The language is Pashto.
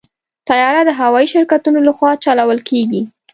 طیاره د هوايي شرکتونو لخوا چلول کېږي.